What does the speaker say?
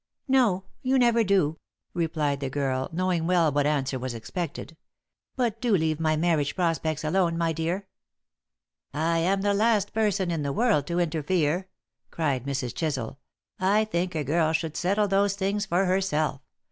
"No; you never do," replied the girl, knowing well what answer was expected. "But do leave my marriage prospects alone, my dear!" "I'm the last person in the world to interfere," cried Mrs. Chisel. "I think a girl should settle those things for herself.